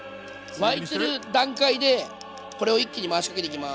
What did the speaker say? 沸いてる段階でこれを一気に回しかけていきます。